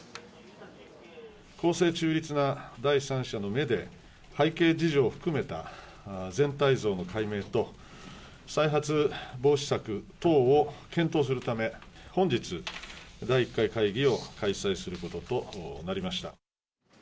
公正中立な第三者の目で、背景事情を含めた全体像の解明と、再発防止策等を検討するため、本日、第１回会議を開催することとなりました。